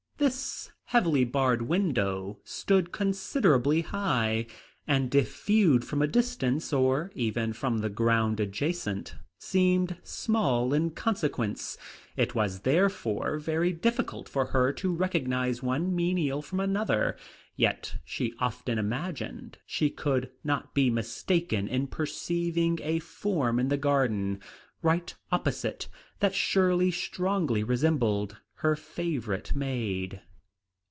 This heavily barred window stood considerably high, and if viewed from a distance, or even from the ground adjacent, seemed small in consequence. It was, therefore, very difficult for her to recognise one menial from another, yet she often imagined she could not be mistaken in perceiving a form in the garden, right opposite, that surely strongly resembled her favourite maid.